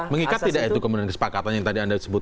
mengikat tidak itu kemudian kesepakatan yang tadi anda sebut